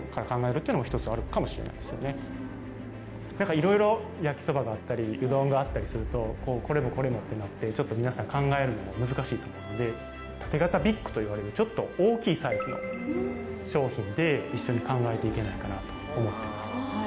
いろいろ焼きそばがあったりうどんがあったりするとこれもこれも！ってなって考えるの難しいと思うんで縦型ビッグと呼ばれる大きいサイズの商品で一緒に考えて行けないかなと思ってます。